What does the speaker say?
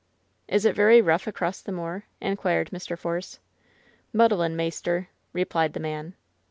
"Is it very rough across the moor?" inquired Mr. Force. "Muddlin', maister," replied the man.